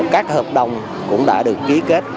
các hợp đồng cũng đã được ký kết